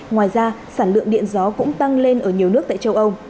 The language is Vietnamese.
ngoài ra sản lượng điện gió cũng tăng lên ở nhiều nước tại châu âu